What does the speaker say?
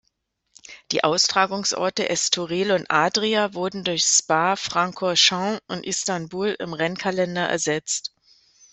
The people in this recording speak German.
Die Austragungsorte Estoril und Adria wurden durch Spa-Francorchamps und Istanbul im Rennkalender ersetzt.